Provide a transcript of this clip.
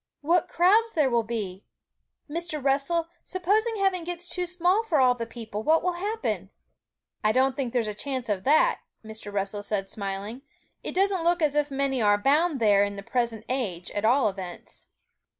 What crowds there will be! Mr. Russell, supposing heaven gets too small for all the people, what will happen?' 'I don't think there's a chance of that,' Mr. Russell said, smiling; 'it doesn't look as if many are bound there in the present age, at all events.'